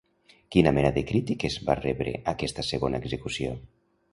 Quina mena de crítiques va rebre aquesta segona execució?